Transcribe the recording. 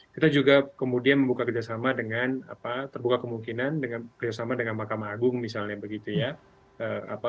kita juga kemudian membuka kerjasama dengan terbuka kemungkinan dengan kerjasama dengan mahkamah agung misalnya begitu ya